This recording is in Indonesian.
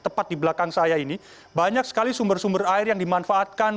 tepat di belakang saya ini banyak sekali sumber sumber air yang dimanfaatkan